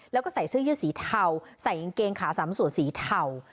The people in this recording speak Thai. แล้วก็ใส่เสื้อยืดสีเทาใส่กางเกงขาสามส่วนสีเทา